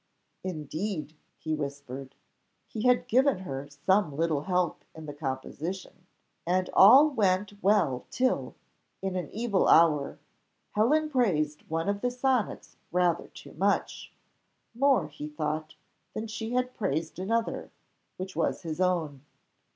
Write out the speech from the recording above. "Indeed," he whispered, "he had given her some little help in the composition," and all went well till, in an evil hour, Helen praised one of the sonnets rather too much more, he thought, than she had praised another, which was his own.